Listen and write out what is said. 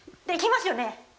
できますよね。